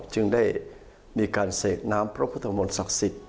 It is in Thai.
จึงได้มีการเสกน้ำพระพุทธมนต์ศักดิ์สิทธิ์